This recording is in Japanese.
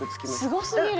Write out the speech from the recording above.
すごすぎる！